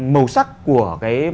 màu sắc của cái